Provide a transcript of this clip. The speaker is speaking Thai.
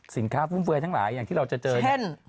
สินค้าฟื้นทางหลายอย่างที่เราจะเจอเช่น